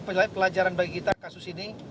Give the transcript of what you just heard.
pelajaran pelajaran bagi kita kasus ini